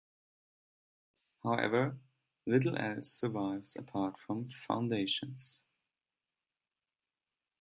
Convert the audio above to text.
However, little else survives apart from foundations.